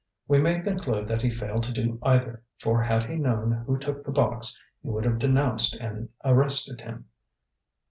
We may conclude that he failed to do either, for had he known who took the box he would have denounced and arrested him.